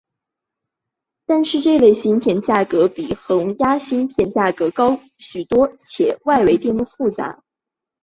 但是这类芯片价格比恒压芯片价格高许多且外围电路复杂。